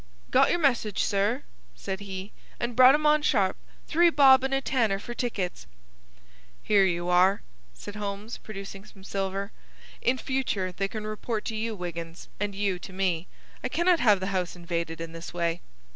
"Got your message, sir," said he, "and brought 'em on sharp. Three bob and a tanner for tickets." "Here you are," said Holmes, producing some silver. "In future they can report to you, Wiggins, and you to me. I cannot have the house invaded in this way.